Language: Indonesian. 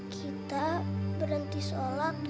kita berhenti sholat